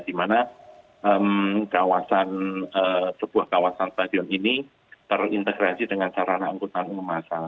di mana sebuah kawasan stadion ini terintegrasi dengan sarana angkutan umum masal